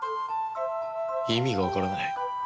意味がわからない。